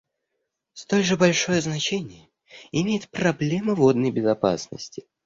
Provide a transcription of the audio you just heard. Столь же большое значение имеет проблема водной безопасности.